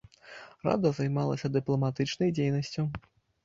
Рада займалася і дыпламатычнай дзейнасцю.